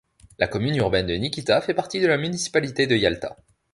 La commune urbaine de Nikita fait partie de la municipalité de Yalta.